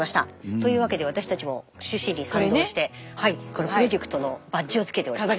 というわけで私たちも趣旨に賛同してこのプロジェクトのバッジをつけております。